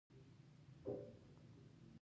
تعامل څه ته وايي.